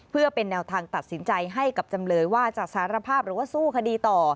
เพื่อเป็นแนวทางตัดสินใจให้กับจำเลยว่าจะสารภาพหรือว่าสู้คดีต่อ